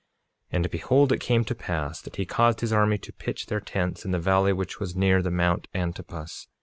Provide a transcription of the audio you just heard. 47:9 And behold, it came to pass that he caused his army to pitch their tents in the valley which was near the mount Antipas.